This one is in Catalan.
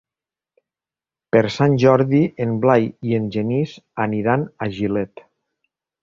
Per Sant Jordi en Blai i en Genís aniran a Gilet.